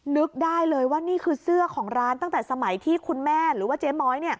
นึกได้เลยว่านี่คือเสื้อของร้านตั้งแต่สมัยที่คุณแม่หรือว่าเจ๊ม้อย